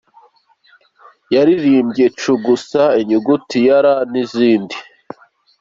Yaririmbye "Cugusa", "Inyuguti ya R" n’izindi.